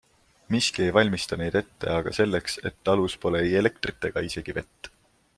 Miski ei valmista neid ette aga selleks, et talus pole ei elektrit ega isegi vett!